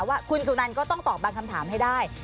ว่าคุณสุนันก็ต้องตอบบางคำถามให้ได้